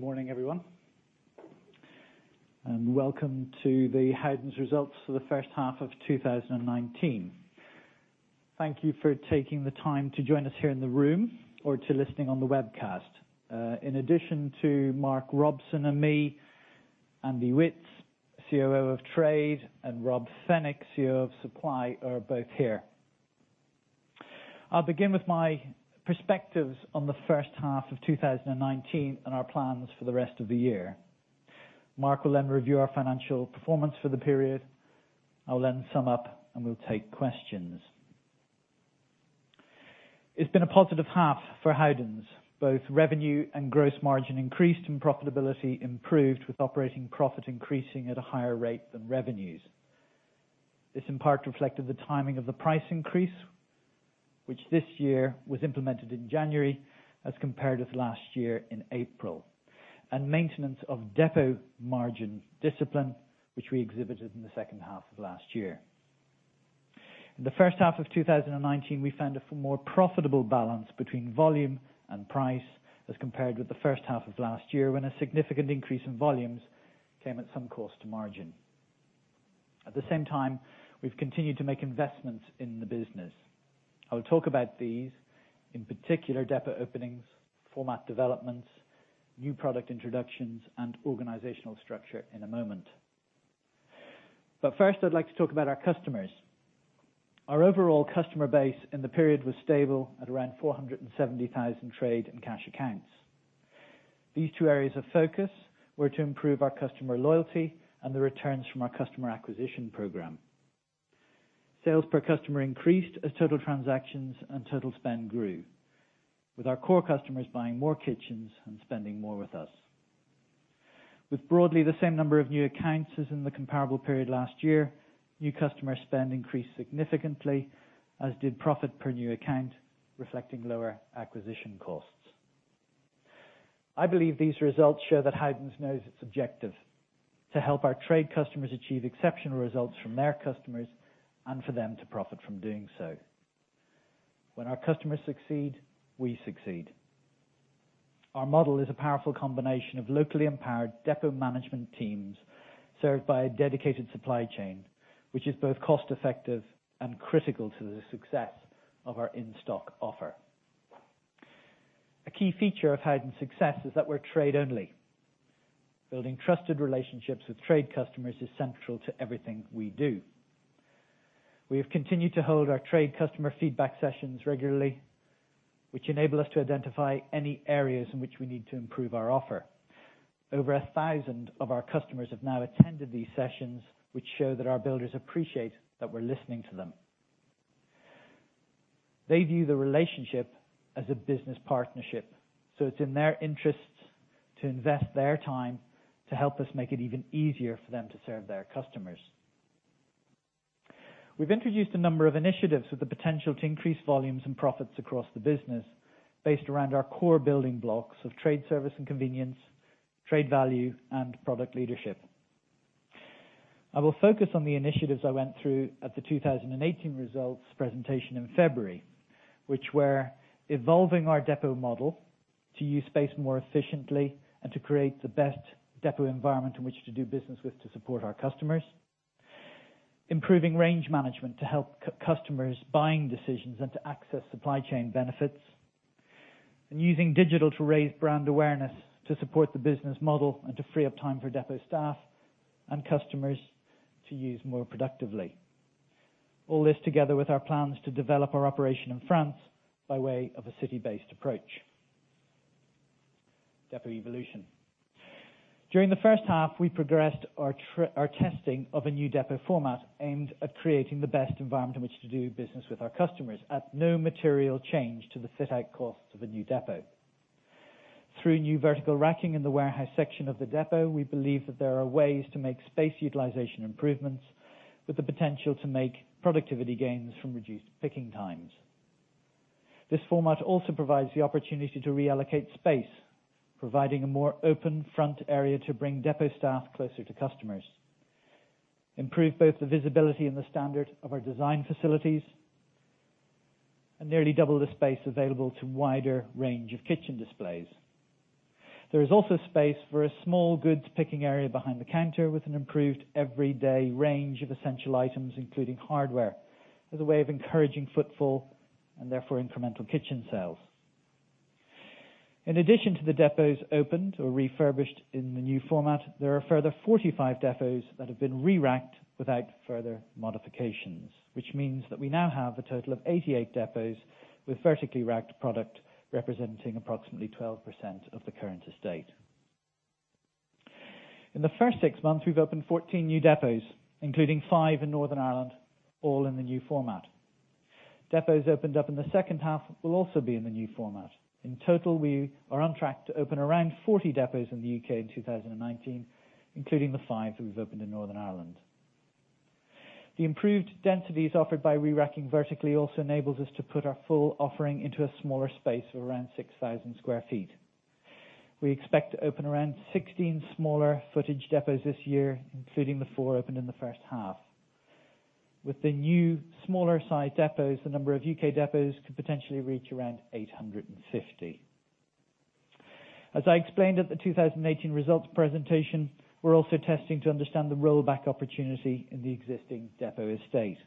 Good morning, everyone, and welcome to the Howdens results for the first half of 2019. Thank you for taking the time to join us here in the room or to listening on the webcast. In addition to Mark Robson and me, Andy Witts, COO of Trade, and Rob Fenwick, COO of Supply, are both here. I'll begin with my perspectives on the first half of 2019 and our plans for the rest of the year. Mark will review our financial performance for the period. I will sum up, and we'll take questions. It's been a positive half for Howdens. Both revenue and gross margin increased and profitability improved, with operating profit increasing at a higher rate than revenues. This in part reflected the timing of the price increase, which this year was implemented in January as compared with last year in April, and maintenance of depot margin discipline, which we exhibited in the second half of last year. In the first half of 2019, we found a more profitable balance between volume and price as compared with the first half of last year, when a significant increase in volumes came at some cost to margin. At the same time, we've continued to make investments in the business. I will talk about these, in particular depot openings, format developments, new product introductions, and organizational structure in a moment. First, I'd like to talk about our customers. Our overall customer base in the period was stable at around 470,000 trade and cash accounts. These two areas of focus were to improve our customer loyalty and the returns from our customer acquisition program. Sales per customer increased as total transactions and total spend grew, with our core customers buying more kitchens and spending more with us. With broadly the same number of new accounts as in the comparable period last year, new customer spend increased significantly, as did profit per new account, reflecting lower acquisition costs. I believe these results show that Howdens knows its objective, to help our trade customers achieve exceptional results from their customers and for them to profit from doing so. When our customers succeed, we succeed. Our model is a powerful combination of locally empowered depot management teams served by a dedicated supply chain, which is both cost-effective and critical to the success of our in-stock offer. A key feature of Howdens success is that we're trade only. Building trusted relationships with trade customers is central to everything we do. We have continued to hold our trade customer feedback sessions regularly, which enable us to identify any areas in which we need to improve our offer. Over 1,000 of our customers have now attended these sessions, which show that our builders appreciate that we're listening to them. It's in their interests to invest their time to help us make it even easier for them to serve their customers. We've introduced a number of initiatives with the potential to increase volumes and profits across the business based around our core building blocks of trade service and convenience, trade value, and product leadership. I will focus on the initiatives I went through at the 2018 results presentation in February, which were evolving our depot model to use space more efficiently and to create the best depot environment in which to do business with to support our customers, improving range management to help customers' buying decisions and to access supply chain benefits, and using digital to raise brand awareness to support the business model and to free up time for depot staff and customers to use more productively. All this together with our plans to develop our operation in France by way of a city-based approach. Depot evolution. During the first half, we progressed our testing of a new depot format aimed at creating the best environment in which to do business with our customers at no material change to the fit-out costs of a new depot. Through new vertical racking in the warehouse section of the depot, we believe that there are ways to make space utilization improvements with the potential to make productivity gains from reduced picking times. This format also provides the opportunity to reallocate space, providing a more open front area to bring depot staff closer to customers, improve both the visibility and the standard of our design facilities, and nearly double the space available to wider range of kitchen displays. There is also space for a small goods picking area behind the counter with an improved everyday range of essential items, including hardware, as a way of encouraging footfall and therefore incremental kitchen sales. In addition to the depots opened or refurbished in the new format, there are further 45 depots that have been re-racked without further modifications, which means that we now have a total of 88 depots with vertically racked product representing approximately 12% of the current estate. In the first six months, we've opened 14 new depots, including five in Northern Ireland, all in the new format. Depots opened up in the second half will also be in the new format. In total, we are on track to open around 40 depots in the U.K. in 2019, including the five that we've opened in Northern Ireland. The improved densities offered by re-racking vertically also enables us to put our full offering into a smaller space of around 6,000 sq ft. We expect to open around 16 smaller footage depots this year, including the four opened in the first half. With the new smaller size depots, the number of U.K. depots could potentially reach around 850. As I explained at the 2018 results presentation, we're also testing to understand the rollback opportunity in the existing depot estate.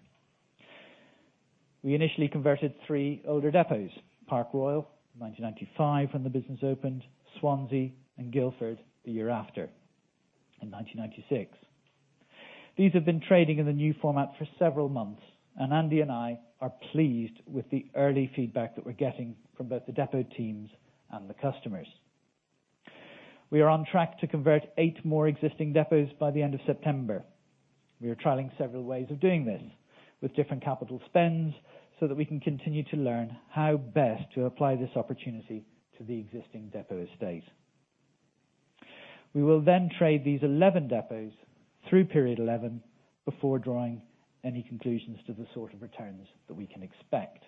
We initially converted three older depots, Park Royal in 1995 when the business opened, Swansea and Guildford the year after in 1996. These have been trading in the new format for several months, Andy and I are pleased with the early feedback that we're getting from both the depot teams and the customers. We are on track to convert eight more existing depots by the end of September. We are trialing several ways of doing this with different capital spends, so that we can continue to learn how best to apply this opportunity to the existing depot estate. We will trade these 11 depots through period 11 before drawing any conclusions to the sort of returns that we can expect.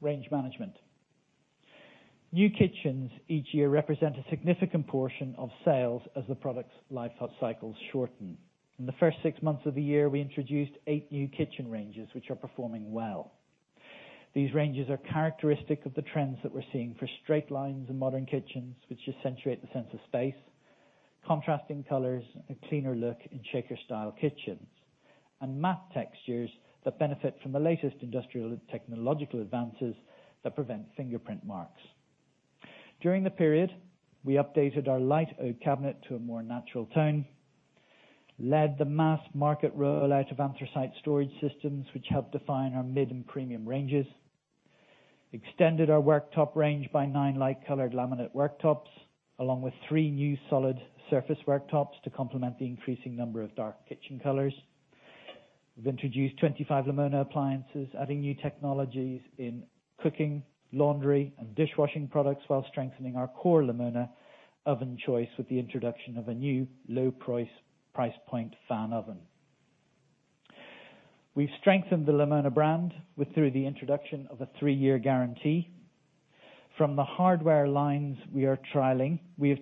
Range management. New kitchens each year represent a significant portion of sales as the product's life cycles shorten. In the first six months of the year, we introduced eight new kitchen ranges, which are performing well. These ranges are characteristic of the trends that we're seeing for straight lines and modern kitchens, which accentuate the sense of space, contrasting colors, a cleaner look in shaker-style kitchens, and matte textures that benefit from the latest industrial technological advances that prevent fingerprint marks. During the period, we updated our light oak cabinet to a more natural tone, led the mass market rollout of anthracite storage systems, which helped define our mid and premium ranges, extended our worktop range by nine like-colored laminate worktops, along with three new solid surface worktops to complement the increasing number of dark kitchen colors. We've introduced 25 Lamona appliances, adding new technologies in cooking, laundry, and dishwashing products while strengthening our core Lamona oven choice with the introduction of a new low-price point fan oven. We've strengthened the Lamona brand through the introduction of a three-year guarantee. From the hardware lines we are trialing, we have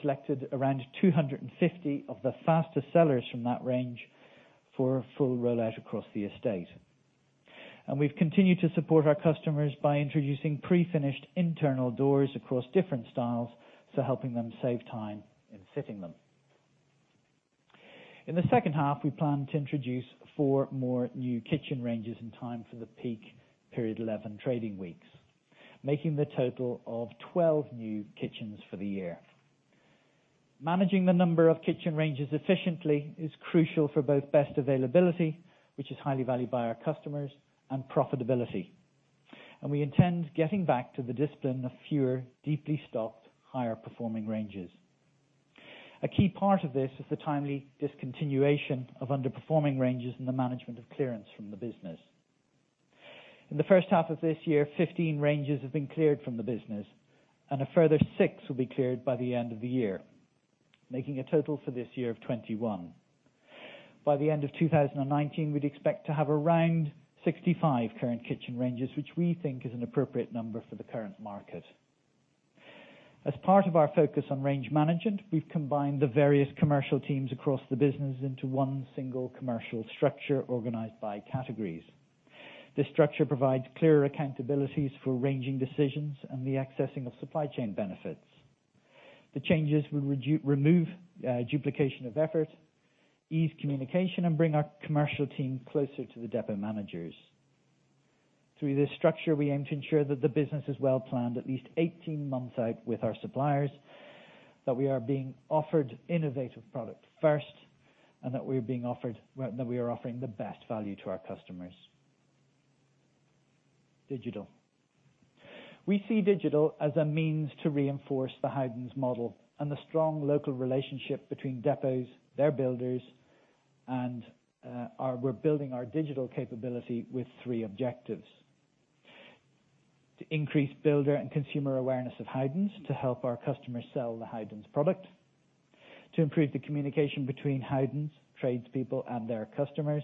selected around 250 of the fastest sellers from that range for a full rollout across the estate. We've continued to support our customers by introducing pre-finished internal doors across different styles, helping them save time in fitting them. In the second half, we plan to introduce four more new kitchen ranges in time for the peak period 11 trading weeks, making the total of 12 new kitchens for the year. Managing the number of kitchen ranges efficiently is crucial for both best availability, which is highly valued by our customers, and profitability. We intend getting back to the discipline of fewer, deeply stocked, higher performing ranges. A key part of this is the timely discontinuation of underperforming ranges and the management of clearance from the business. In the first half of this year, 15 ranges have been cleared from the business, and a further six will be cleared by the end of the year, making a total for this year of 21. By the end of 2019, we'd expect to have around 65 current kitchen ranges, which we think is an appropriate number for the current market. As part of our focus on range management, we've combined the various commercial teams across the business into one single commercial structure organized by categories. This structure provides clearer accountabilities for ranging decisions and the accessing of supply chain benefits. The changes will remove duplication of effort, ease communication, and bring our commercial team closer to the depot managers. Through this structure, we aim to ensure that the business is well-planned at least 18 months out with our suppliers, that we are being offered innovative product first, and that we are offering the best value to our customers. Digital. We see digital as a means to reinforce the Howdens model and the strong local relationship between depots, their builders, and we're building our digital capability with three objectives. To increase builder and consumer awareness of Howdens to help our customers sell the Howdens product. To improve the communication between Howdens, tradespeople, and their customers.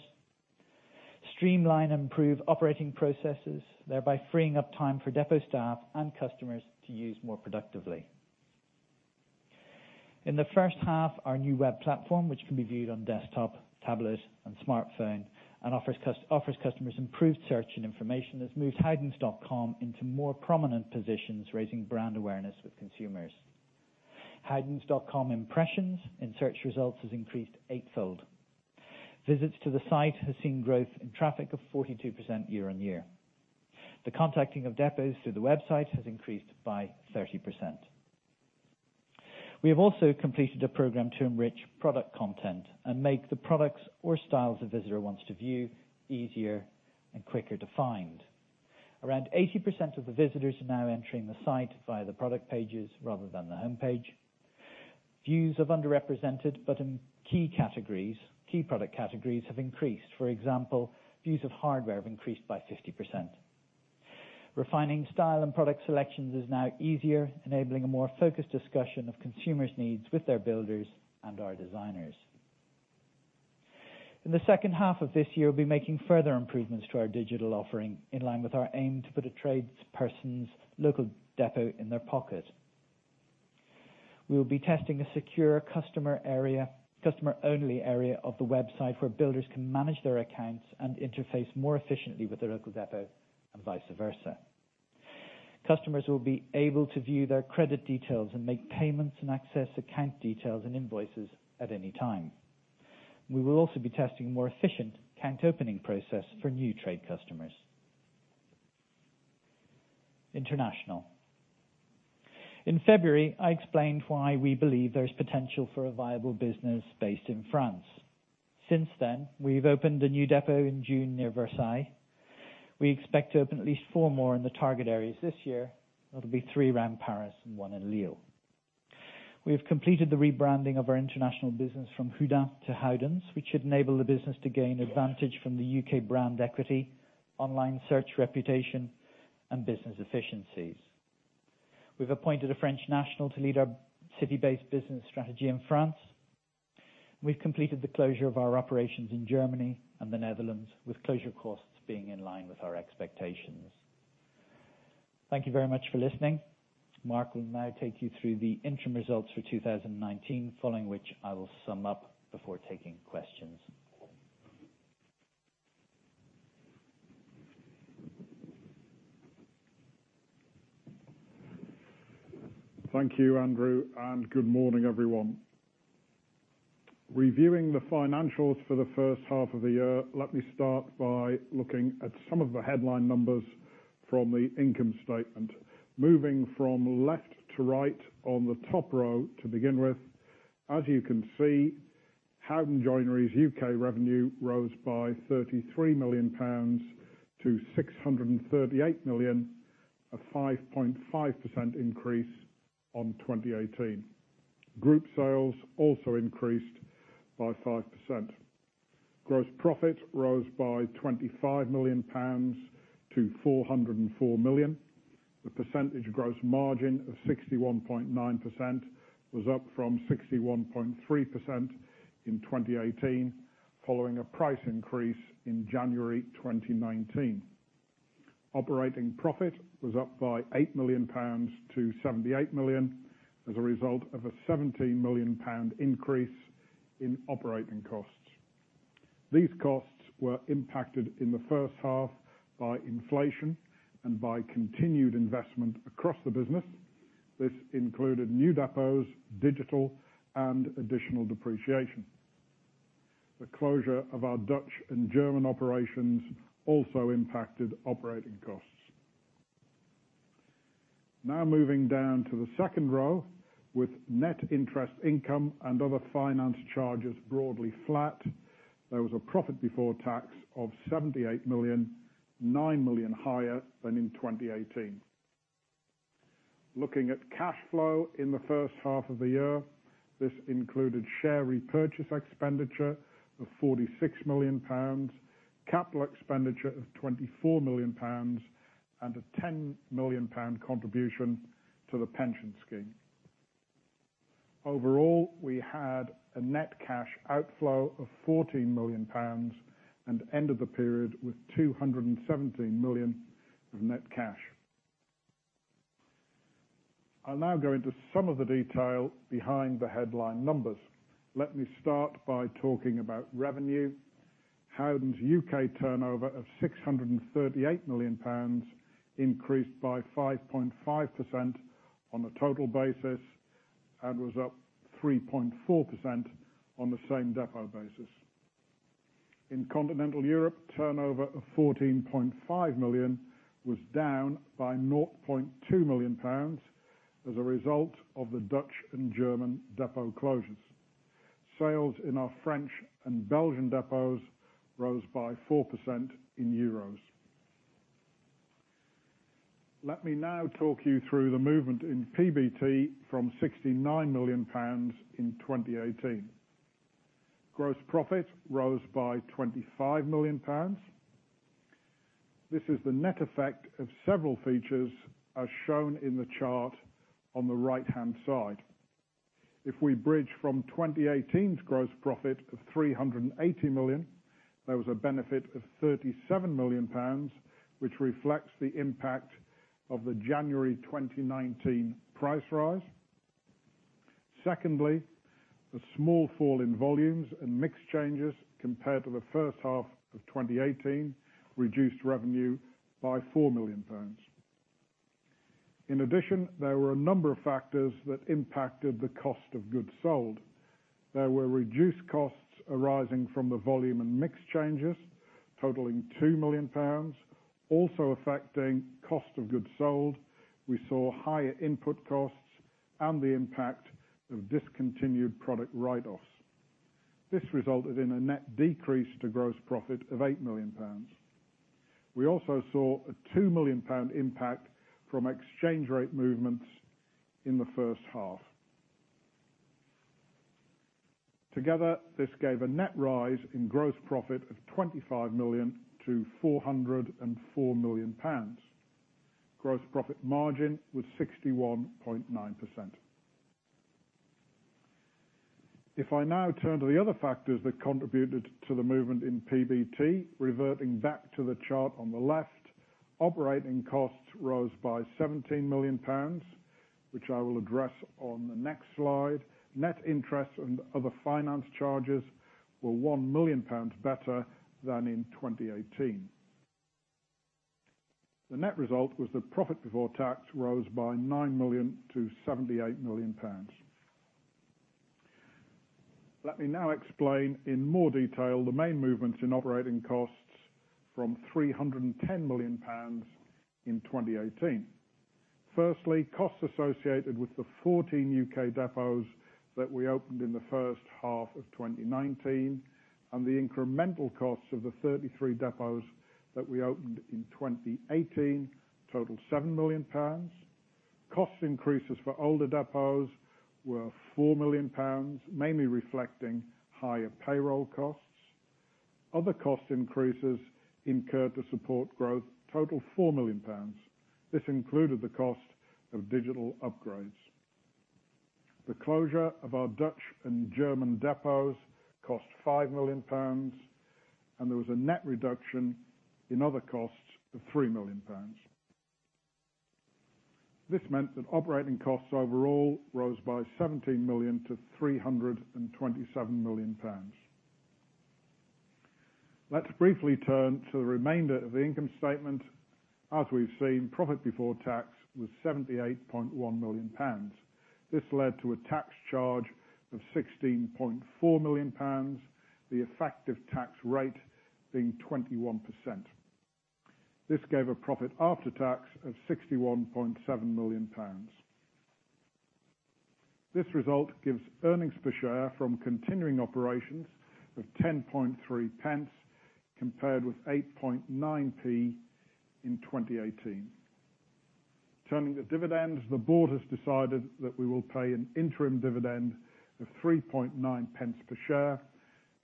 Streamline and improve operating processes, thereby freeing up time for depot staff and customers to use more productively. In the first half, our new web platform, which can be viewed on desktop, tablet, and smartphone and offers customers improved search and information, has moved howdens.com into more prominent positions, raising brand awareness with consumers. Howdens.com impressions in search results has increased eightfold. Visits to the site has seen growth in traffic of 42% year-over-year. The contacting of depots through the website has increased by 30%. We have also completed a program to enrich product content and make the products or styles a visitor wants to view easier and quicker to find. Around 80% of the visitors are now entering the site via the product pages rather than the homepage. Views of underrepresented but key product categories have increased. For example, views of hardware have increased by 50%. Refining style and product selections is now easier, enabling a more focused discussion of consumers' needs with their builders and our designers. In the second half of this year, we'll be making further improvements to our digital offering in line with our aim to put a tradesperson's local depot in their pocket. We will be testing a secure customer-only area of the website where builders can manage their accounts and interface more efficiently with their local depot and vice versa. Customers will be able to view their credit details and make payments and access account details and invoices at any time. We will also be testing a more efficient account opening process for new trade customers. International. In February, I explained why we believe there is potential for a viable business based in France. Since then, we've opened a new depot in June near Versailles. We expect to open at least four more in the target areas this year. That'll be three around Paris and one in Lille. We have completed the rebranding of our international business from Houdan to Howdens, which should enable the business to gain advantage from the U.K. brand equity, online search reputation, and business efficiencies. We've appointed a French national to lead our city-based business strategy in France. We've completed the closure of our operations in Germany and the Netherlands, with closure costs being in line with our expectations. Thank you very much for listening. Mark will now take you through the interim results for 2019, following which I will sum up before taking questions. Thank you, Andrew, and good morning, everyone. Reviewing the financials for the first half of the year, let me start by looking at some of the headline numbers from the income statement. Moving from left to right on the top row to begin with, as you can see, Howden Joinery's U.K. revenue rose by 33 million pounds to 638 million, a 5.5% increase on 2018. Group sales also increased by 5%. Gross profit rose by 25 million pounds to 404 million, with percentage gross margin of 61.9% was up from 61.3% in 2018, following a price increase in January 2019. Operating profit was up by 8 million pounds to 78 million as a result of a 17 million pound increase in operating costs. These costs were impacted in the first half by inflation and by continued investment across the business. This included new depots, digital, and additional depreciation. Moving down to the second row with net interest income and other finance charges broadly flat, there was a profit before tax of 78 million, 9 million higher than in 2018. Looking at cash flow in the first half of the year, this included share repurchase expenditure of 46 million pounds, capital expenditure of 24 million pounds, and a 10 million pound contribution to the pension scheme. Overall, we had a net cash outflow of 14 million pounds and ended the period with 217 million of net cash. I'll now go into some of the detail behind the headline numbers. Let me start by talking about revenue. Howdens' U.K. turnover of 638 million pounds increased by 5.5% on a total basis and was up 3.4% on the same depot basis. In continental Europe, turnover of 14.5 million was down by 0.2 million pounds as a result of the Dutch and German depot closures. Sales in our French and Belgian depots rose by 4% in EUR. Let me now talk you through the movement in PBT from 69 million pounds in 2018. Gross profit rose by 25 million pounds. This is the net effect of several features as shown in the chart on the right-hand side. If we bridge from 2018's gross profit of 380 million, there was a benefit of 37 million pounds, which reflects the impact of the January 2019 price rise. Secondly, the small fall in volumes and mix changes compared to the first half of 2018 reduced revenue by 4 million pounds. In addition, there were a number of factors that impacted the cost of goods sold. There were reduced costs arising from the volume and mix changes totaling 2 million pounds, also affecting cost of goods sold. We saw higher input costs and the impact of discontinued product write-offs. This resulted in a net decrease to gross profit of 8 million pounds. We also saw a 2 million pound impact from exchange rate movements in the first half. Together, this gave a net rise in gross profit of 25 million to 404 million pounds. Gross profit margin was 61.9%. If I now turn to the other factors that contributed to the movement in PBT, reverting back to the chart on the left, operating costs rose by 17 million pounds, which I will address on the next slide. Net interest and other finance charges were 1 million pounds better than in 2018. The net result was that profit before tax rose by 9 million to 78 million pounds. Let me now explain in more detail the main movements in operating costs from 310 million pounds in 2018. Firstly, costs associated with the 14 U.K. depots that we opened in the first half of 2019, and the incremental costs of the 33 depots that we opened in 2018, total 7 million pounds. Cost increases for older depots were 4 million pounds, mainly reflecting higher payroll costs. Other cost increases incurred to support growth total 4 million pounds. This included the cost of digital upgrades. The closure of our Dutch and German depots cost 5 million pounds, and there was a net reduction in other costs of 3 million pounds. This meant that operating costs overall rose by 17 million to 327 million pounds. Let's briefly turn to the remainder of the income statement. As we've seen, profit before tax was 78.1 million pounds. This led to a tax charge of 16.4 million pounds, the effective tax rate being 21%. This gave a profit after tax of 61.7 million pounds. This result gives earnings per share from continuing operations of 0.103, compared with 0.089 in 2018. Turning to dividends, the board has decided that we will pay an interim dividend of 0.039 per share.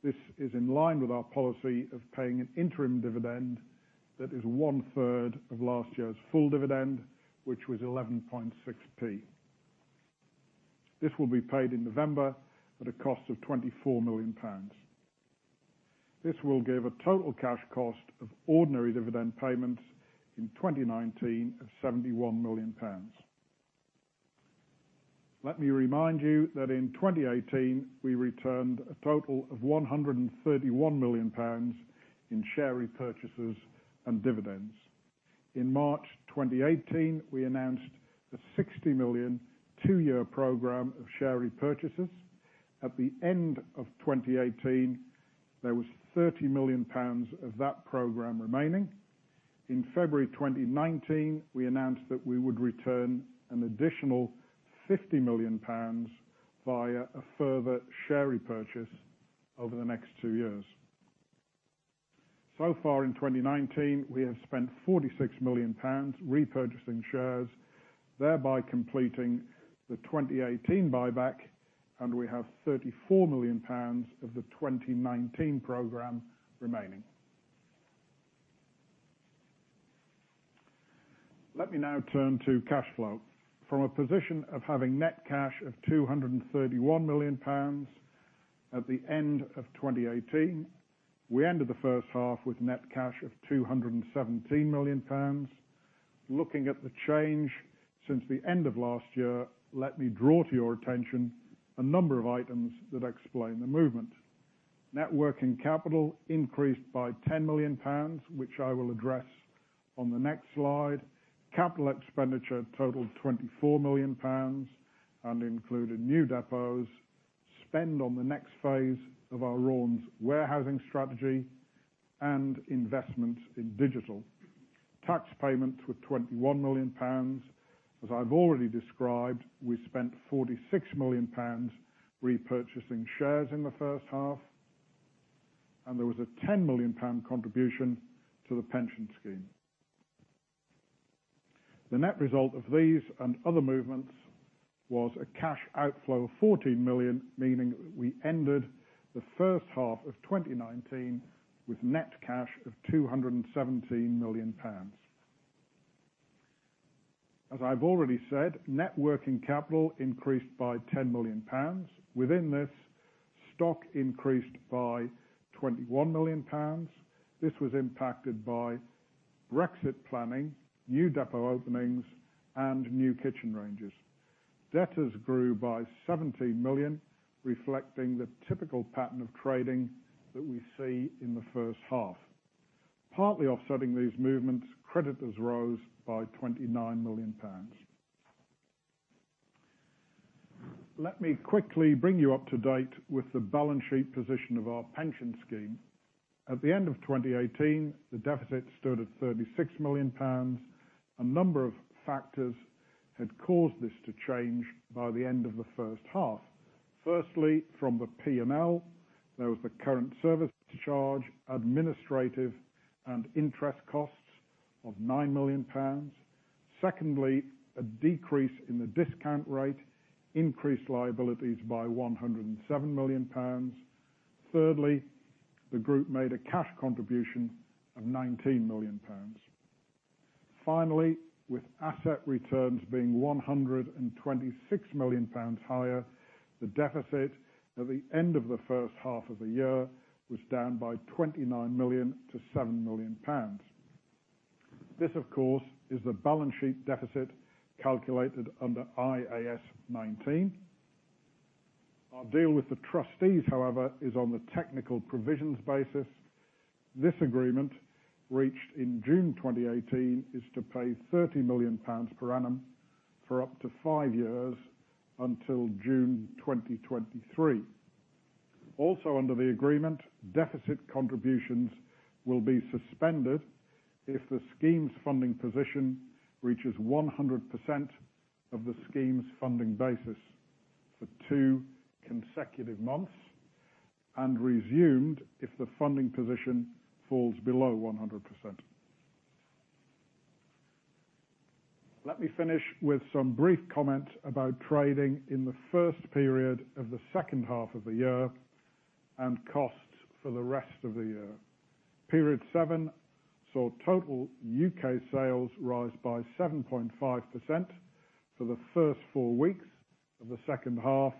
This is in line with our policy of paying an interim dividend that is one-third of last year's full dividend, which was 0.116. This will be paid in November at a cost of 24 million pounds. This will give a total cash cost of ordinary dividend payments in 2019 of 71 million pounds. Let me remind you that in 2018, we returned a total of 131 million pounds in share repurchases and dividends. In March 2018, we announced a 60 million, two-year program of share repurchases. At the end of 2018, there was 30 million pounds of that program remaining. In February 2019, we announced that we would return an additional 50 million pounds via a further share repurchase over the next two years. Far in 2019, we have spent 46 million pounds repurchasing shares, thereby completing the 2018 buyback, and we have 34 million pounds of the 2019 program remaining. Let me now turn to cash flow. From a position of having net cash of 231 million pounds at the end of 2018, we ended the first half with net cash of 217 million pounds. Looking at the change since the end of last year, let me draw to your attention a number of items that explain the movement. Net working capital increased by 10 million pounds, which I will address on the next slide. Capital expenditure totaled 24 million pounds and included new depots, spend on the next phase of our Raunds warehousing strategy, and investment in digital. Tax payments were 21 million pounds. As I've already described, we spent 46 million pounds repurchasing shares in the first half, and there was a 10 million pound contribution to the pension scheme. The net result of these and other movements was a cash outflow of 14 million, meaning we ended the first half of 2019 with net cash of 217 million pounds. As I've already said, net working capital increased by 10 million pounds. Within this, stock increased by 21 million pounds. This was impacted by Brexit planning, new depot openings, and new kitchen ranges. Debtors grew by 17 million, reflecting the typical pattern of trading that we see in the first half. Partly offsetting these movements, creditors rose by 29 million pounds. Let me quickly bring you up to date with the balance sheet position of our pension scheme. At the end of 2018, the deficit stood at 36 million pounds. A number of factors had caused this to change by the end of the first half. Firstly, from the P&L, there was the current service charge, administrative and interest costs of 9 million pounds. Secondly, a decrease in the discount rate increased liabilities by 107 million pounds. Thirdly, the group made a cash contribution of 19 million pounds. Finally, with asset returns being 126 million pounds higher, the deficit at the end of the first half of the year was down by 29 million to 7 million pounds. This, of course, is the balance sheet deficit calculated under IAS 19. Our deal with the trustees, however, is on the technical provisions basis. This agreement, reached in June 2018, is to pay 30 million pounds per annum for up to 5 years until June 2023. Also under the agreement, deficit contributions will be suspended if the scheme's funding position reaches 100% of the scheme's funding basis for two consecutive months, and resumed if the funding position falls below 100%. Let me finish with some brief comments about trading in the first period of the second half of the year, and costs for the rest of the year. Period 7 saw total U.K. sales rise by 7.5% for the first four weeks of the second half,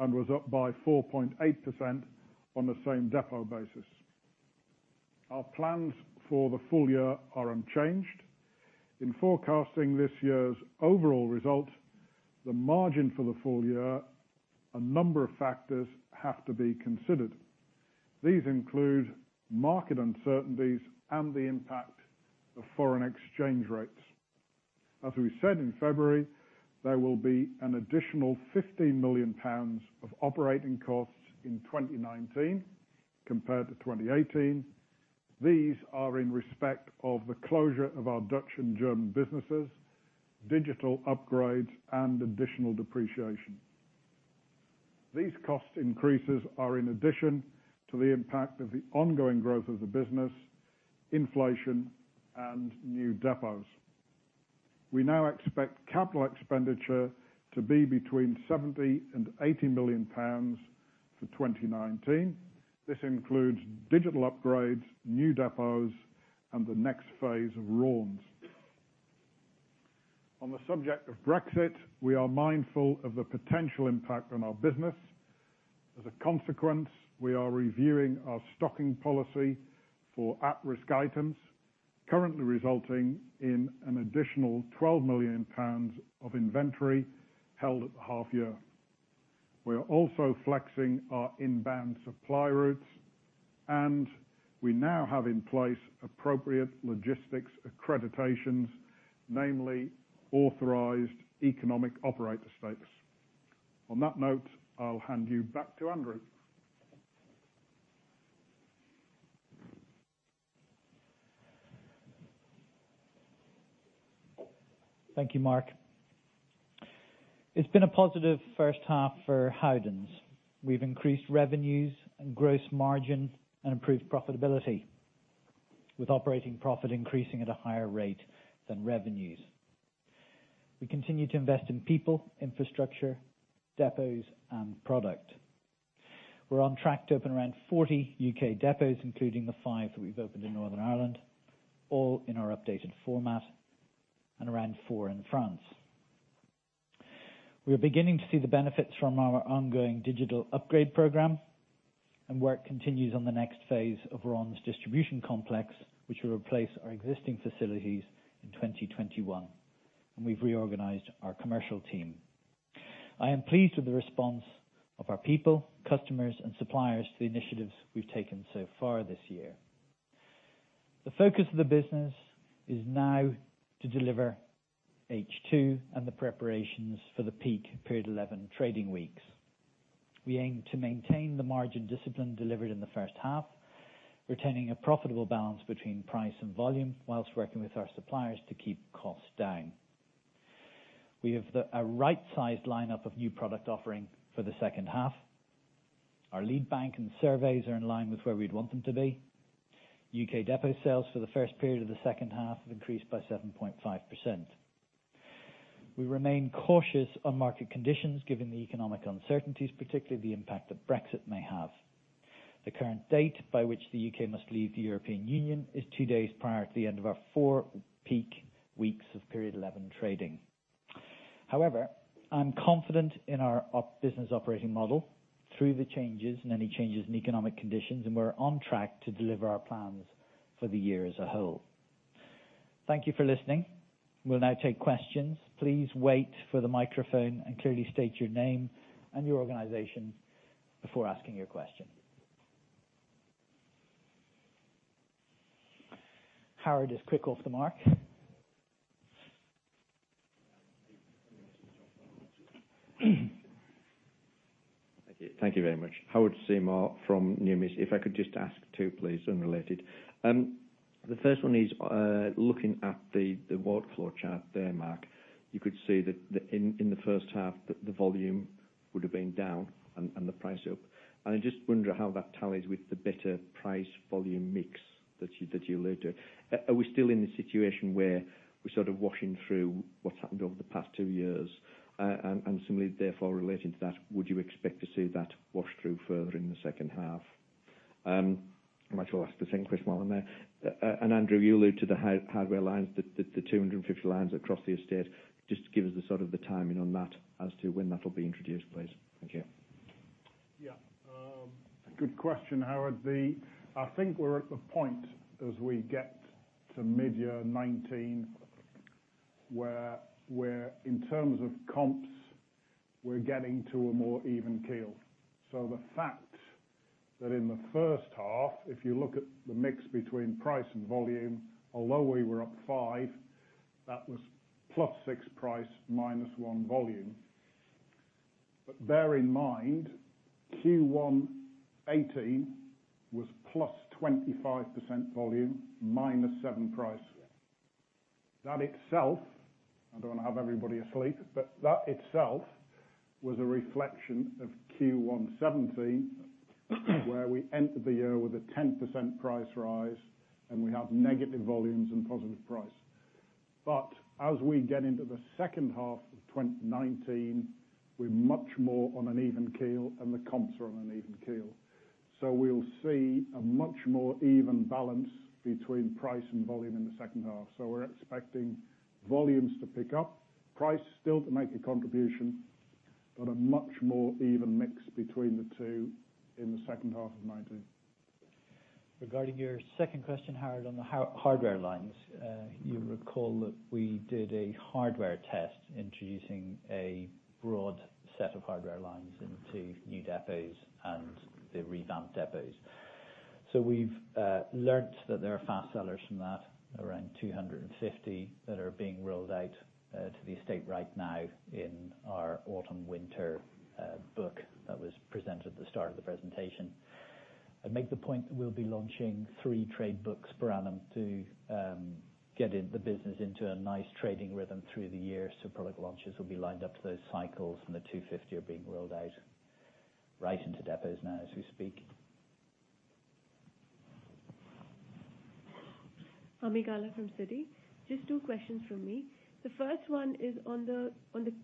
and was up by 4.8% on the same depot basis. Our plans for the full year are unchanged. In forecasting this year's overall result, the margin for the full year, a number of factors have to be considered. These include market uncertainties and the impact of foreign exchange rates. As we said in February, there will be an additional 15 million pounds of operating costs in 2019 compared to 2018. These are in respect of the closure of our Dutch and German businesses, digital upgrades, and additional depreciation. These cost increases are in addition to the impact of the ongoing growth of the business, inflation, and new depots. We now expect CapEx to be between 70 million and 80 million pounds for 2019. This includes digital upgrades, new depots, and the next phase of Raunds. On the subject of Brexit, we are mindful of the potential impact on our business. As a consequence, we are reviewing our stocking policy for at-risk items, currently resulting in an additional 12 million pounds of inventory held at the half year. We are also flexing our inbound supply routes, and we now have in place appropriate logistics accreditations, namely Authorised Economic Operator status. On that note, I'll hand you back to Andrew. Thank you, Mark. It's been a positive first half for Howdens. We've increased revenues and gross margin and improved profitability, with operating profit increasing at a higher rate than revenues. We continue to invest in people, infrastructure, depots, and product. We're on track to open around 40 U.K. depots, including the five that we've opened in Northern Ireland, all in our updated format, and around four in France. We are beginning to see the benefits from our ongoing digital upgrade program, and work continues on the next phase of Raunds distribution complex, which will replace our existing facilities in 2021, and we've reorganized our commercial team. I am pleased with the response of our people, customers, and suppliers to the initiatives we've taken so far this year. The focus of the business is now to deliver H2 and the preparations for the peak period 11 trading weeks. We aim to maintain the margin discipline delivered in the first half, retaining a profitable balance between price and volume while working with our suppliers to keep costs down. We have a right-sized lineup of new product offering for the second half. Our lead bank and surveys are in line with where we'd want them to be. U.K. depot sales for the first period of the second half have increased by 7.5%. We remain cautious on market conditions given the economic uncertainties, particularly the impact that Brexit may have. The current date by which the U.K. must leave the European Union is two days prior to the end of our four peak weeks of period 11 trading. However, I'm confident in our business operating model through the changes and any changes in economic conditions, and we're on track to deliver our plans for the year as a whole. Thank you for listening. We'll now take questions. Please wait for the microphone and clearly state your name and your organization before asking your question. Howard is quick off the mark. Thank you. Thank you very much. Howard Seymour from Numis. If I could just ask two, please, unrelated. The first one is, looking at the workflow chart there, Mark, you could see that in the first half that the volume would've been down and the price up, and I just wonder how that tallies with the better price/volume mix that you allude to. Are we still in the situation where we're sort of washing through what's happened over the past two years? Similarly therefore relating to that, would you expect to see that wash through further in the second half? I might as well ask the second question while I'm there. Andrew, you alluded to the hardware lines, the 250 lines across the estate. Just give us the timing on that as to when that'll be introduced, please. Thank you. Good question, Howard. I think we're at the point as we get to mid-year 2019, where in terms of comps, we're getting to a more even keel. The fact that in the first half, if you look at the mix between price and volume, although we were up 5%, that was +6% price, -1% volume. Bear in mind, Q1 2018 was +25% volume, -7% price. I don't want to have everybody asleep, That itself was a reflection of Q1 2017, where we entered the year with a 10% price rise and we have negative volumes and positive price. As we get into the second half of 2019, we're much more on an even keel and the comps are on an even keel. We'll see a much more even balance between price and volume in the second half. We're expecting volumes to pick up, price still to make a contribution, but a much more even mix between the two in the second half of 2019. Regarding your second question, Howard, on the hardware lines. You recall that we did a hardware test introducing a broad set of hardware lines into new depots and the revamped depots. We've learned that there are fast sellers from that, around 250 that are being rolled out to the estate right now in our autumn-winter book that was presented at the start of the presentation. I make the point that we'll be launching three trade books per annum to get the business into a nice trading rhythm through the year. Product launches will be lined up to those cycles, and the 250 are being rolled out right into depots now as we speak. Ami Galla from Citi. Just two questions from me. The first one is on the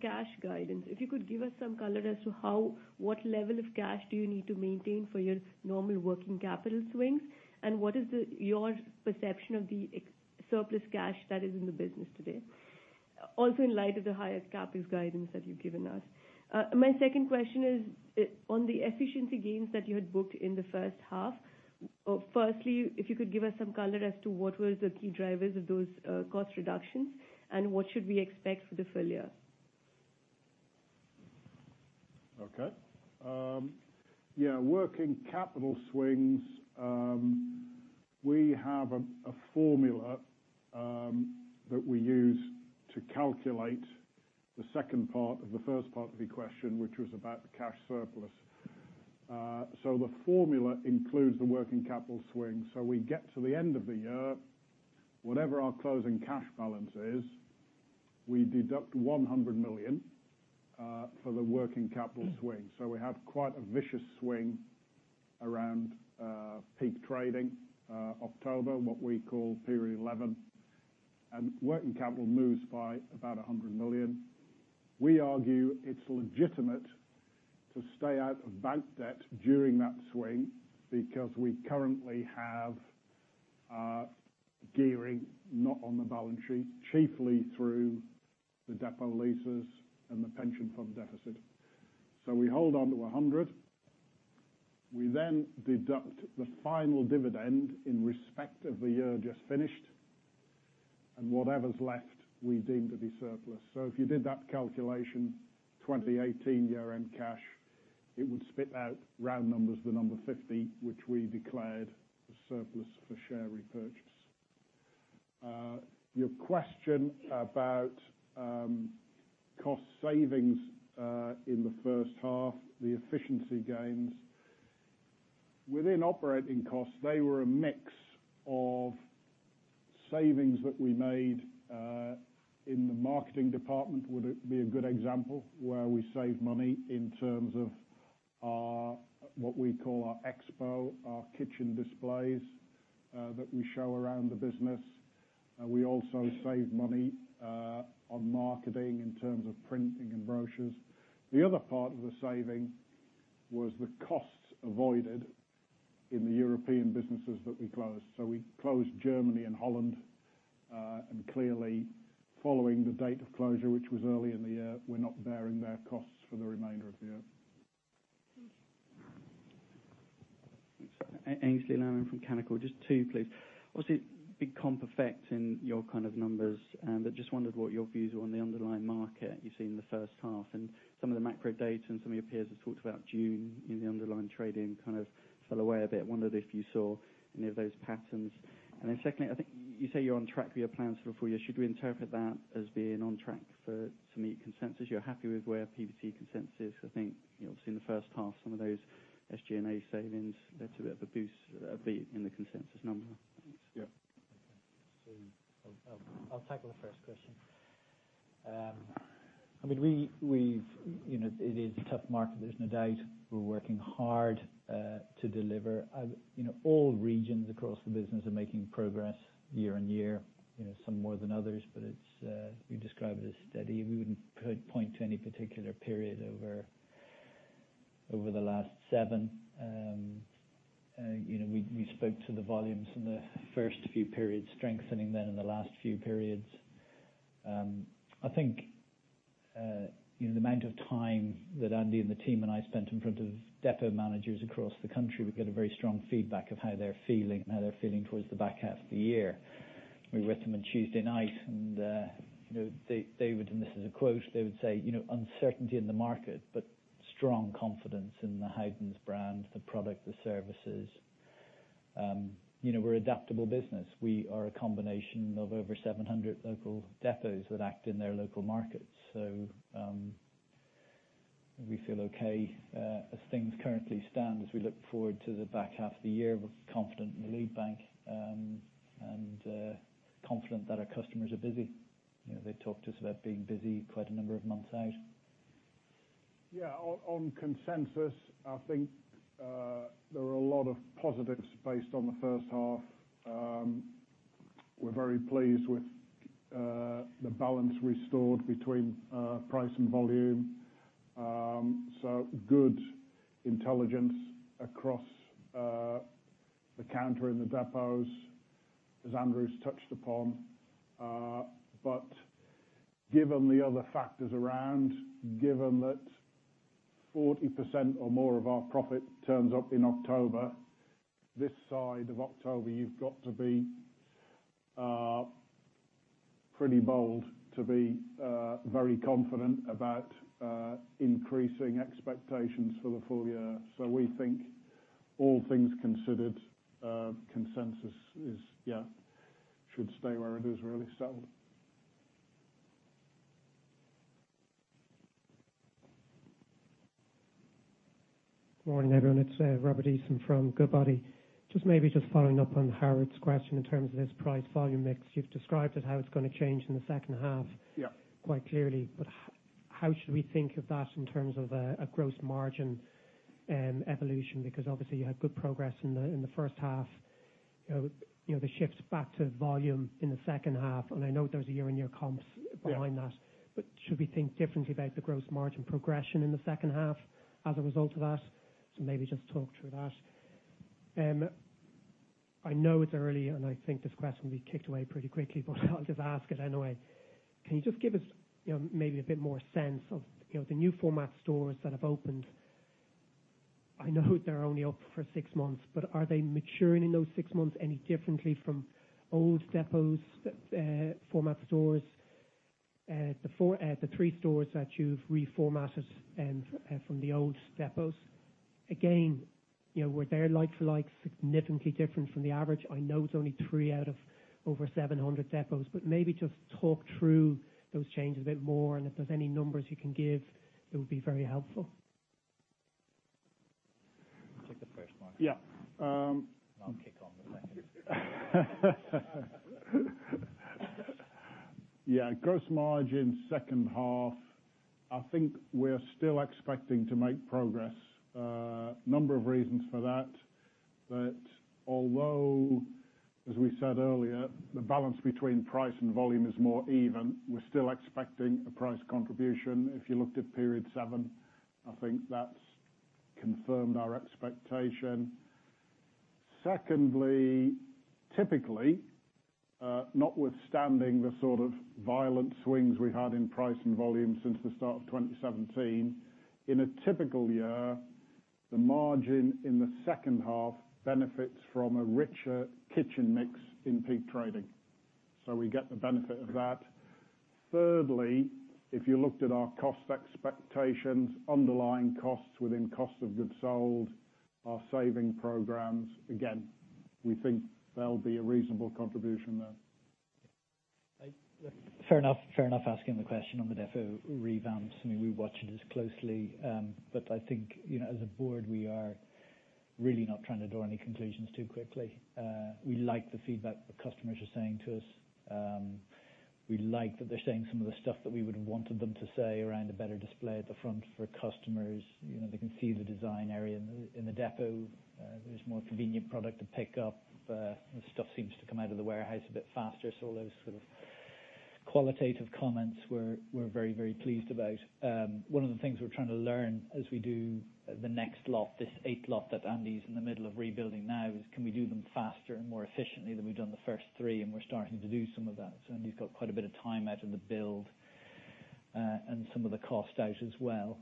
cash guidance. If you could give us some color as to what level of cash do you need to maintain for your normal working capital swings, and what is your perception of the surplus cash that is in the business today? Also, in light of the higher CapEx guidance that you've given us. My second question is on the efficiency gains that you had booked in the first half. Firstly, if you could give us some color as to what was the key drivers of those cost reductions, and what should we expect for the full year? Okay. Yeah, working capital swings. We have a formula that we use to calculate the second part of the first part of your question, which was about the cash surplus. The formula includes the working capital swing. We get to the end of the year, whatever our closing cash balance is, we deduct 100 million for the working capital swing. We have quite a vicious swing around peak trading, October, what we call period 11, and working capital moves by about 100 million. We argue it's legitimate to stay out of bank debt during that swing because we currently have gearing not on the balance sheet, chiefly through the depot leases and the pension fund deficit. We hold on to 100. We then deduct the final dividend in respect of the year just finished, and whatever's left we deem to be surplus. If you did that calculation, 2018 year-end cash, it would spit out round numbers, the number 50, which we declared the surplus for share repurchase. Your question about cost savings in the first half, the efficiency gains. Within operating costs, they were a mix of savings that we made in the marketing department, would it be a good example, where we saved money in terms of what we call our expo, our kitchen displays that we show around the business. We also saved money on marketing in terms of printing and brochures. The other part of the saving was the costs avoided in the European businesses that we closed. We closed Germany and Holland, and clearly following the date of closure, which was early in the year, we are not bearing their costs for the remainder of the year. Aynsley Lammin from Canaccord. Just two, please. Obviously, big comp effect in your kind of numbers. Just wondered what your views were on the underlying market you see in the first half. Some of the macro data and some of your peers have talked about June in the underlying trading kind of fell away a bit. Wondered if you saw any of those patterns? Secondly, I think you say you're on track for your plans for the full year. Should we interpret that as being on track to meet consensus? You're happy with where PBT consensus is. I think, obviously, in the first half, some of those SG&A savings led to a bit of a boost in the consensus number. Yeah. I'll tackle the first question. It is a tough market, there's no doubt. We're working hard to deliver. All regions across the business are making progress year on year, some more than others. We describe it as steady. We wouldn't point to any particular period over the last seven, we spoke to the volumes in the first few periods strengthening than in the last few periods. I think the amount of time that Andy and the team and I spent in front of depot managers across the country, we got a very strong feedback of how they're feeling, how they're feeling towards the back half of the year. We were with them on Tuesday night, and this is a quote, they would say, "Uncertainty in the market, but strong confidence in the Howdens brand, the product, the services." We're adaptable business. We are a combination of over 700 local depots that act in their local markets. We feel okay as things currently stand as we look forward to the back half of the year. We're confident in the lead bank and confident that our customers are busy. They talked to us about being busy quite a number of months out. Yeah. On consensus, I think there are a lot of positives based on the first half. We're very pleased with the balance restored between price and volume. Good intelligence across the counter in the depots, as Andrew's touched upon. Given the other factors around, given that 40% or more of our profit turns up in October, this side of October, you've got to be pretty bold to be very confident about increasing expectations for the full year. We think all things considered, consensus should stay where it is really. So Morning, everyone. It's Robert Eason from Goodbody. Just maybe just following up on Howard's question in terms of this price volume mix. You've described it how it's going to change in the second half. Yeah quite clearly, how should we think of that in terms of a gross margin evolution? Obviously you had good progress in the first half, the shifts back to volume in the second half, and I know there's a year-on-year comps behind that. Yeah. Should we think differently about the gross margin progression in the second half as a result of that? Maybe just talk through that. I know it's early, and I think this question will be kicked away pretty quickly, but I'll just ask it anyway. Can you just give us maybe a bit more sense of the new format stores that have opened? I know they're only up for six months, but are they maturing in those six months any differently from old depots format stores, the three stores that you've reformatted from the old depots? Were their like to likes significantly different from the average? I know it's only three out of over 700 depots, but maybe just talk through those changes a bit more, and if there's any numbers you can give, it would be very helpful. Take the first one. Yeah. I'll kick on the second. Yeah. Gross margin second half, I think we're still expecting to make progress. A number of reasons for that. Although, as we said earlier, the balance between price and volume is more even, we're still expecting a price contribution. If you looked at period seven, I think that's confirmed our expectation. Secondly, typically, notwithstanding the sort of violent swings we had in price and volume since the start of 2017, in a typical year, the margin in the second half benefits from a richer kitchen mix in peak trading. We get the benefit of that. Thirdly, if you looked at our cost expectations, underlying costs within cost of goods sold, our saving programs, again, we think there'll be a reasonable contribution there. Fair enough asking the question on the depot revamps. We watch it as closely. I think as a board, we are really not trying to draw any conclusions too quickly. We like the feedback the customers are saying to us. We like that they're saying some of the stuff that we would have wanted them to say around a better display at the front for customers. They can see the design area in the depot. There's more convenient product to pick up. The stuff seems to come out of the warehouse a bit faster. All those sort of qualitative comments we're very, very pleased about. One of the things we're trying to learn as we do the next lot, this eighth lot that Andy's in the middle of rebuilding now, is can we do them faster and more efficiently than we've done the first three, and we're starting to do some of that. Andy's got quite a bit of time out of the build, and some of the cost out as well.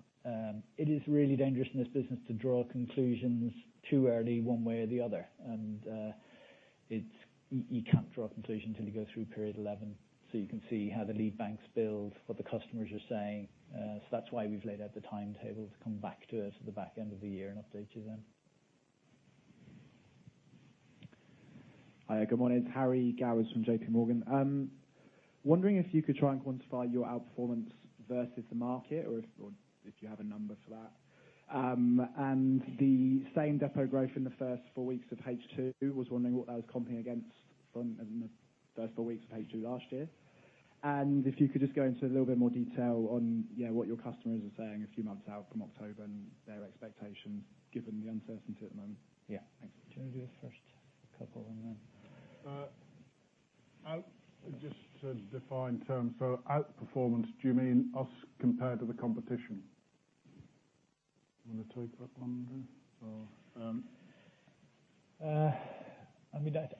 It is really dangerous in this business to draw conclusions too early one way or the other. You can't draw a conclusion till you go through period 11, so you can see how the lead bank's build, what the customers are saying. That's why we've laid out the timetable to come back to it at the back end of the year and update you then. Hi, good morning. It's Harry Gowers from JP Morgan. I'm wondering if you could try and quantify your outperformance versus the market or if you have a number for that. The same depot growth in the first four weeks of page two, was wondering what that was comping against from the first four weeks of page two last year. If you could just go into a little bit more detail on what your customers are saying a few months out from October and their expectations, given the uncertainty at the moment. Yeah. Thanks. Do you want to do the first couple and then? Just to define terms, outperformance, do you mean us compared to the competition? Do you want to take that one, Graham?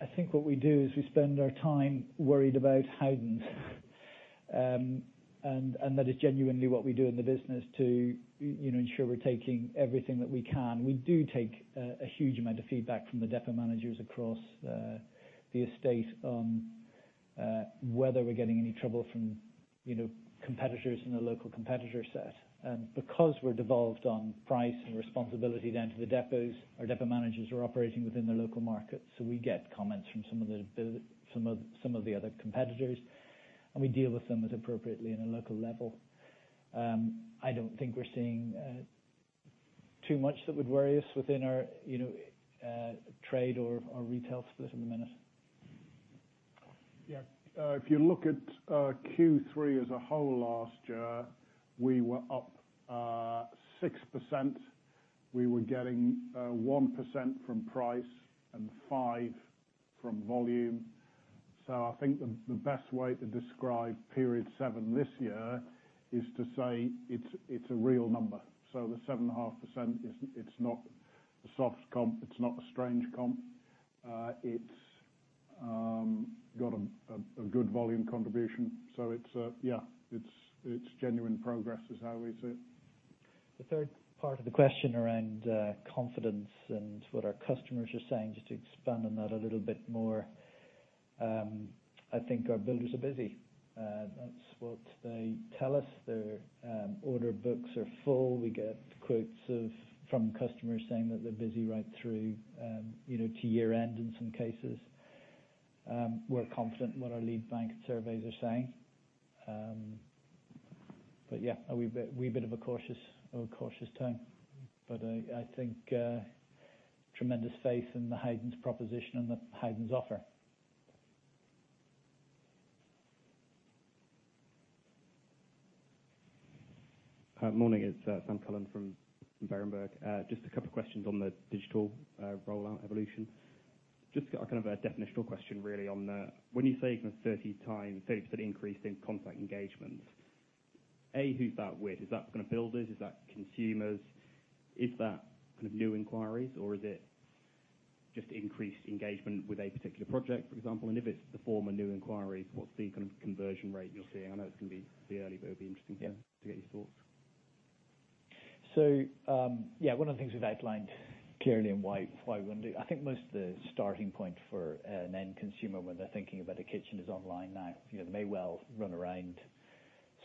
I think what we do is we spend our time worried about Howden. That is genuinely what we do in the business to ensure we're taking everything that we can. We do take a huge amount of feedback from the depot managers across the estate on whether we're getting any trouble from competitors in the local competitor set. Because we're devolved on price and responsibility down to the depots, our depot managers are operating within their local market, so we get comments from some of the other competitors, and we deal with them as appropriately in a local level. I don't think we're seeing too much that would worry us within our trade or our retail split at the minute. Yeah. If you look at Q3 as a whole, last year, we were up 6%. We were getting 1% from price and 5% from volume. I think the best way to describe period 7 this year is to say it's a real number. The 7.5%, it's not a soft comp, it's not a strange comp. It's got a good volume contribution. It's genuine progress, is how we see it. The third part of the question around confidence and what our customers are saying, just to expand on that a little bit more, I think our builders are busy. That's what they tell us. Their order books are full. We get quotes from customers saying that they're busy right through to year-end, in some cases. We're confident in what our lead bank surveys are saying. Yeah, a wee bit of a cautious tone. I think tremendous faith in the Howdens proposition and the Howdens offer. Morning, it's Sam Cullen from Berenberg. Just a couple of questions on the digital rollout evolution. Just kind of a definitional question, really, on the, when you say 30% increase in contact engagements, A, who's that with? Is that kind of builders? Is that consumers? Is that kind of new inquiries, or is it just increased engagement with a particular project, for example? If it's the former, new inquiries, what's the kind of conversion rate you're seeing? I know it's going to be early, but it'd be interesting to get your thoughts. One of the things we've outlined clearly and why we want to do most of the starting point for an end consumer when they're thinking about a kitchen is online now. They may well run around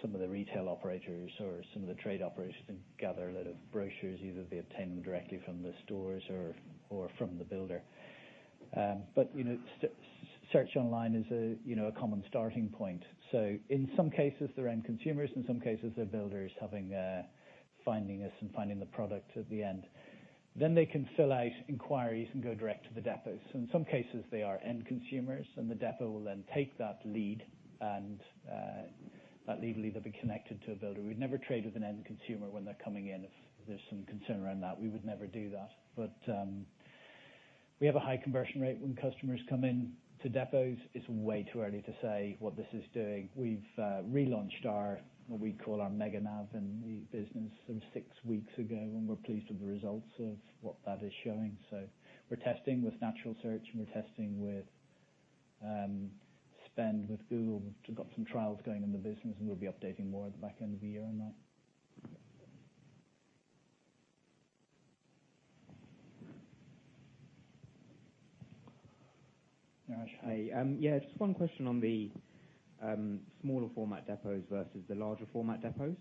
some of the retail operators or some of the trade operators and gather a lot of brochures, either they obtain them directly from the stores or from the builder. Search online is a common starting point. In some cases, they're end consumers, in some cases, they're builders finding us and finding the product at the end. They can fill out inquiries and go direct to the depots. In some cases, they are end consumers, and the depot will then take that lead, and that lead will either be connected to a builder. We'd never trade with an end consumer when they're coming in. If there's some concern around that, we would never do that. We have a high conversion rate when customers come in to depots. It's way too early to say what this is doing. We've relaunched our, what we call our mega nav in the business some six weeks ago, and we're pleased with the results of what that is showing. We're testing with natural search, and we're testing with spend with Google. We've got some trials going in the business, and we'll be updating more at the back end of the year on that. Ash. Hi. Yeah, just one question on the smaller format depots versus the larger format depots.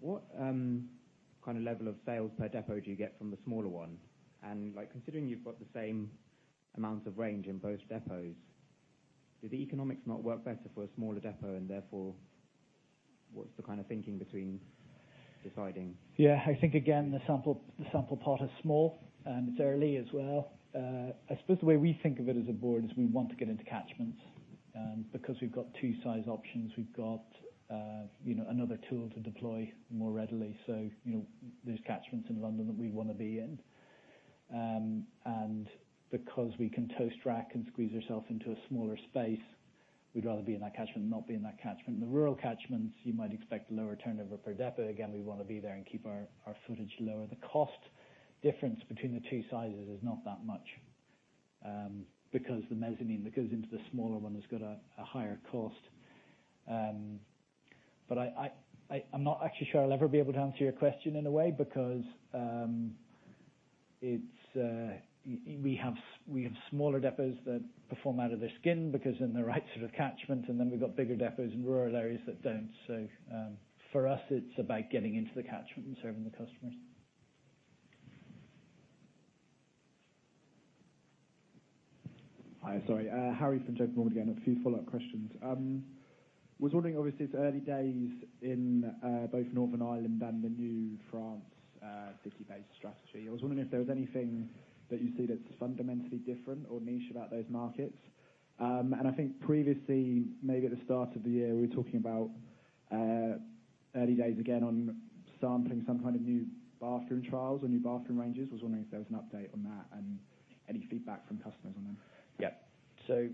What kind of level of sales per depot do you get from the smaller one? Considering you've got the same amount of range in both depots, do the economics not work better for a smaller depot? Therefore, what's the kind of thinking between deciding? Yeah, I think again, the sample part is small, and it's early as well. I suppose the way we think of it as a board is we want to get into catchments. Because we've got two size options, we've got another tool to deploy more readily. There's catchments in London that we want to be in. Because we can toast rack and squeeze ourselves into a smaller space, we'd rather be in that catchment than not be in that catchment. In the rural catchments, you might expect lower turnover per depot. Again, we want to be there and keep our footage lower. The cost difference between the two sizes is not that much, because the mezzanine that goes into the smaller one has got a higher cost. I'm not actually sure I'll ever be able to answer your question in a way, because we have smaller depots that perform out of their skin, because they're in the right sort of catchment, and then we've got bigger depots in rural areas that don't. For us, it's about getting into the catchment and serving the customers. Hi, sorry. Harry from JP Morgan again. A few follow-up questions. I was wondering, obviously, it's early days in both Northern Ireland and the new France city-based strategy. I was wondering if there was anything that you see that's fundamentally different or niche about those markets? I think previously, maybe at the start of the year, we were talking about early days again on sampling some kind of new bathroom trials or new bathroom ranges. I was wondering if there was an update on that and any feedback from customers on them. Yeah. They're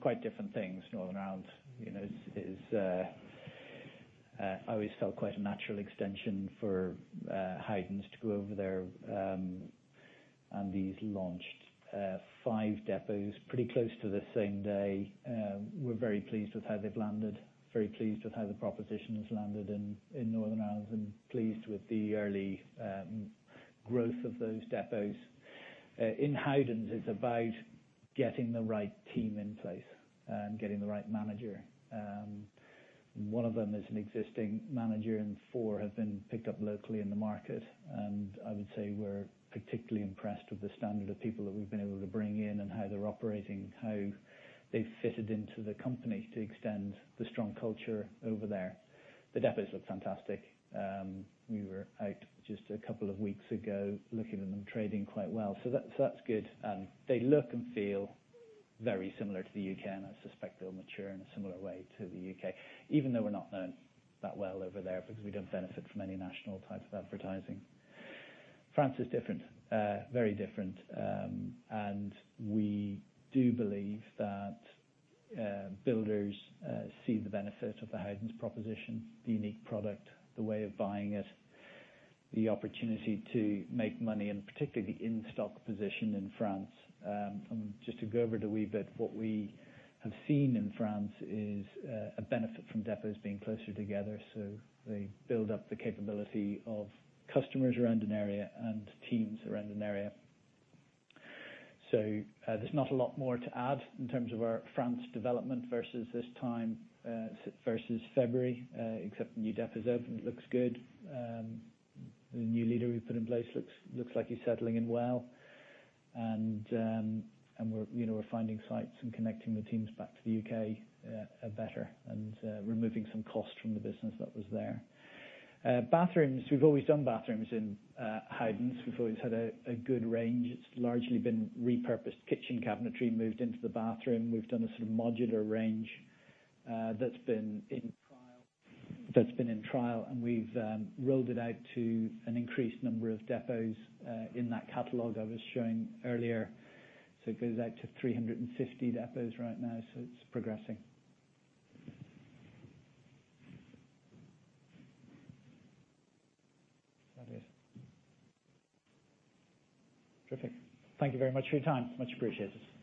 quite different things. Northern Ireland, I always felt quite a natural extension for Howdens to go over there, and we've launched five depots pretty close to the same day. We're very pleased with how they've landed, very pleased with how the proposition has landed in Northern Ireland, and pleased with the early growth of those depots. In Howdens, it's about getting the right team in place and getting the right manager. One of them is an existing manager, and four have been picked up locally in the market. I would say we're particularly impressed with the standard of people that we've been able to bring in and how they're operating, how they've fitted into the company to extend the strong culture over there. The depots look fantastic. We were out just a couple of weeks ago looking and them trading quite well. That's good. They look and feel very similar to the U.K., and I suspect they'll mature in a similar way to the U.K., even though we're not known that well over there because we don't benefit from any national types of advertising. France is different, very different. We do believe that builders see the benefit of the Howdens proposition, the unique product, the way of buying it, the opportunity to make money, and particularly the in-stock position in France. Just to go over it a wee bit, what we have seen in France is a benefit from depots being closer together, so they build up the capability of customers around an area and teams around an area. There's not a lot more to add in terms of our France development versus this time versus February, except the new depot is open. It looks good. The new leader we put in place looks like he's settling in well. We're finding sites and connecting the teams back to the U.K. better and removing some cost from the business that was there. Bathrooms, we've always done bathrooms in Howdens. We've always had a good range. It's largely been repurposed kitchen cabinetry moved into the bathroom. We've done a modular range that's been in trial, and we've rolled it out to an increased number of depots in that catalog I was showing earlier. It goes out to 350 depots right now, so it's progressing. That it. Terrific. Thank you very much for your time. Much appreciated.